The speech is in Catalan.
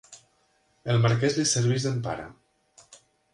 El marquès li serveix d'empara.